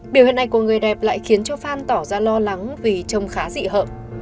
biểu hiện này của người đẹp lại khiến cho fan tỏ ra lo lắng vì trông khá dị hợm